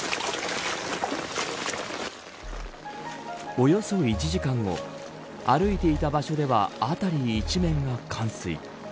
およそ１時間後歩いていた場所では辺り一面が冠水。